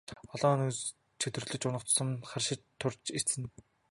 Олон хоног чөдөрлөж унах тусам харшиж турж эцнэ.